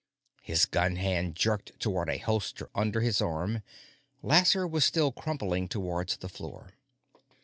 His gun hand jerked towards a holster under his arm. Lasser was still crumpling towards the floor.